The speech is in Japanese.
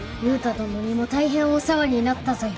どのにも大変お世話になったぞよ。